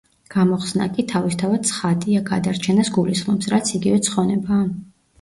გამოხსნა კი, თავისთავად ცხადია, გადარჩენას გულისხმობს, რაც იგივე ცხონებაა.